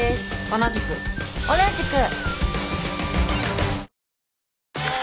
同じく。同じく。